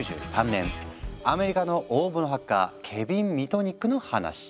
アメリカの大物ハッカーケビン・ミトニックの話。